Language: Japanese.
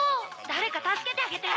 誰か助けてあげて。